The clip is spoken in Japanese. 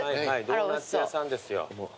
ドーナツ屋さんですよ。